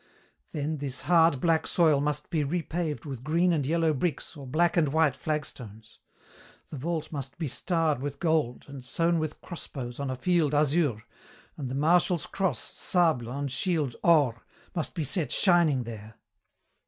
Then this hard, black soil must be repaved with green and yellow bricks or black and white flagstones. The vault must be starred with gold and sown with crossbows on a field azur, and the Marshal's cross, sable on shield or, must be set shining there."